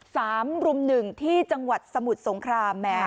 สามรุ่มหนึ่งที่จังหวัดสมุทรสงครามแหม